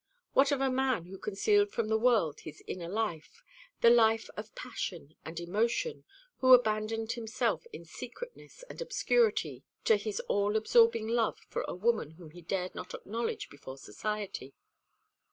What of a man who concealed from the world his inner life, the life of passion and emotion, who abandoned himself in secretness and obscurity to his all absorbing love for a woman whom he dared not acknowledge before society?